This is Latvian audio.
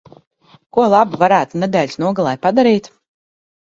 Ko labu varētu nedēļas nogalē padarīt?